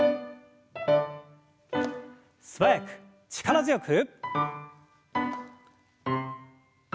素早く力強く。